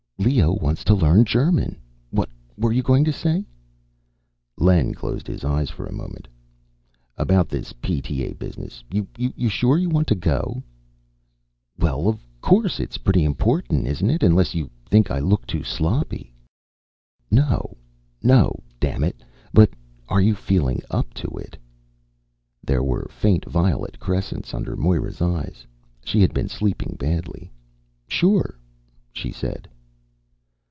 "Leo wants to learn German. What were you going to say?" Len closed his eyes for a moment. "About this PTA business you sure you want to go?" "Well, of course. It's pretty important, isn't it? Unless you think I look too sloppy " "No. No, damn it! But are you feeling up to it?" There were faint violet crescents under Moira's eyes; she had been sleeping badly. "Sure," she said.